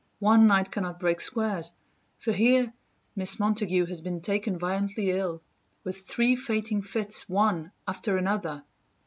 One night cannot break squares: for here Miss Montague has been taken violently ill with three fainting fits, one after another.